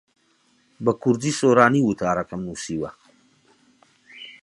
بە کوردیی سۆرانی وتارەکەم نووسیوە.